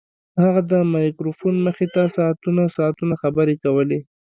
هغه د مایکروفون مخې ته ساعتونه ساعتونه خبرې کولې